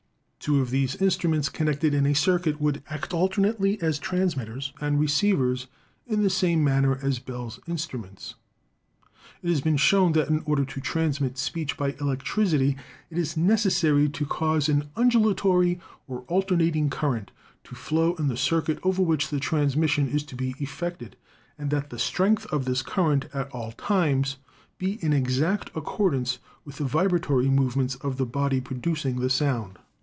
Two of these instruments connected in a circuit would act alternately as transmitters and receivers in the same manner as Bell's instruments. It has been shown that in order to transmit speech by electricity it is necessary to cause an undulatory or al ternating current to flow in the circuit over which the transmission is to be effected, and that the strength of this current at all times be in exact accordance with the vibratory movements of the body producing the sound.